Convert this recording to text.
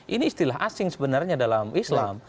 ini istilah asing sebenarnya dalam islam